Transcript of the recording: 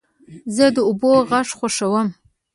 زه د اوبو غږ خوښوم.